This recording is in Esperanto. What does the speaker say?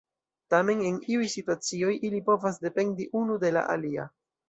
Tamen, en iuj situacioj ili povas dependi unu de la alia.